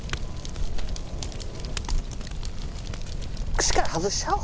串から外しちゃおう。